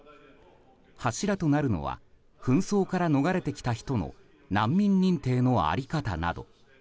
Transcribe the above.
柱となるのは紛争から逃れてきた人の難民認定の在り方など。